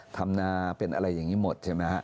ทำนาเป็นอะไรอย่างนี้หมดใช่ไหมฮะ